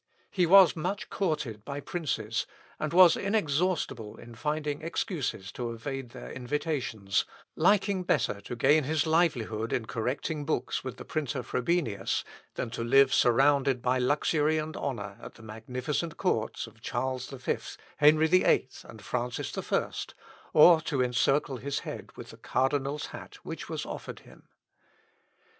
He was much courted by princes, and was inexhaustible in finding excuses to evade their invitations, liking better to gain his livelihood in correcting books with the printer Frobenius, than to live surrounded by luxury and honour, at the magnificent courts of Charles V, Henry VIII, and Francis I, or to encircle his head with the Cardinal's hat which was offered him.